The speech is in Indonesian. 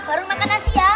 baru makan nasi ya